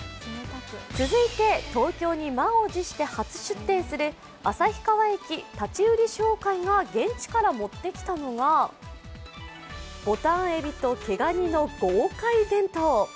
続いて東京に満を持して初出店する旭川駅立売商会が現地から持ってきたのが、ぼたん海老と毛がにの豪快弁当。